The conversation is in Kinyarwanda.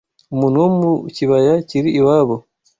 Umuntu wo mu Kibaya kiri iwabo